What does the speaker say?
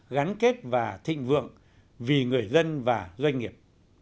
gắn kết và thịnh vượng vì người dân và doanh nghiệp